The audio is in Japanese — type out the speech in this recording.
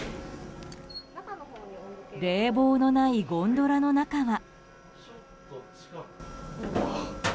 冷房のないゴンドラの中は。